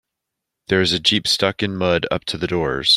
There is a jeep stuck in mud up to the doors.